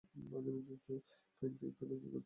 ভগিনী জোসেফাইনকে একটু ধৈর্য ধরতে বলো।